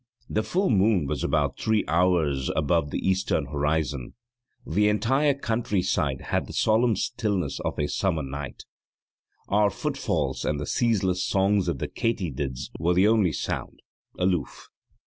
The full moon was about three hours above the eastern horizon; the entire countryside had the solemn stillness of a summer night; our footfalls and the ceaseless song of the katydids were the only sound, aloof.